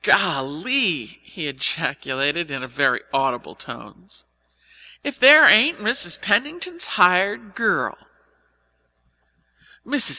"Golly!" he ejaculated in very audible tones. "If there ain't Mrs. Pennington's hired girl!"